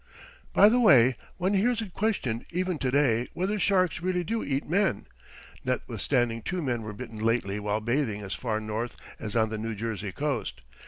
By the way, one hears it questioned even to day whether sharks really do eat men, notwithstanding two men were bitten lately while bathing as far north as on the New Jersey coast.